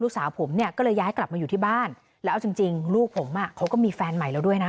ลูกสาวผมเนี่ยก็เลยย้ายกลับมาอยู่ที่บ้านแล้วเอาจริงจริงลูกผมอ่ะเขาก็มีแฟนใหม่แล้วด้วยนะ